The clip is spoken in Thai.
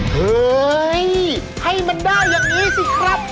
เฮ้ยให้มันได้อย่างนี้สิครับ